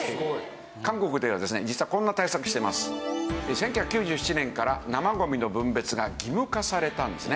１９９７年から生ゴミの分別が義務化されたんですね。